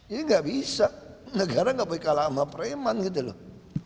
ini nggak bisa negara nggak boleh kalah sama preman gitu loh